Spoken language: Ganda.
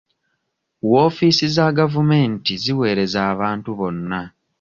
Woofiisi za gavumenti ziweereza abantu bonna.